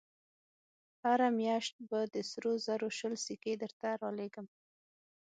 هره مياشت به د سرو زرو شل سيکې درته رالېږم.